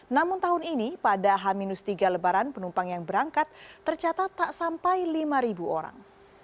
namun tahun ini pada h tiga lebaran penumpang yang berangkat tercatat tak sampai lima orang